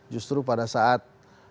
justru pada saat